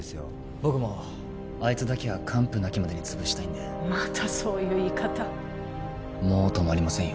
僕もあいつだけは完膚なきまでに潰したいんでまたそういう言い方もう止まりませんよ